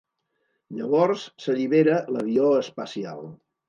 Llavors s'allibera l'avió espacial.